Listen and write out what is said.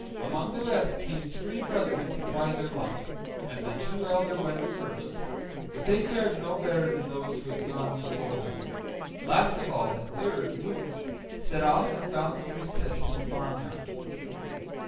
Among the rest came three brothers to try their luck, and the two elder went first, but they fared no better than those that had gone before them. Last of all, the third, Boots, set off and found the Princess in the farmyard.